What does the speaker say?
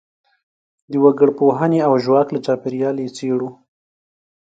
د وګړپوهنې او ژواک له چاپیریال یې څېړو.